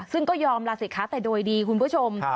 ซึ่งก็ยอมลาสิคะแต่โดยดีคุณผู้ชม